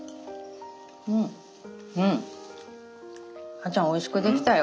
さぁちゃんおいしくできたよ。